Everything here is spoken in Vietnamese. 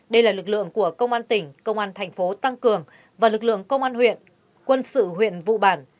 đây là lực lượng của công an tỉnh công an thành phố tăng cường và lực lượng công an huyện quân sự huyện vụ bản